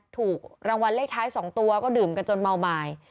ถูกรางวัลเลขท้าย๒ตัวก็ดื่มกันจนเมาไม้